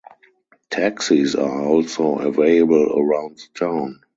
Taxis are also available around the town.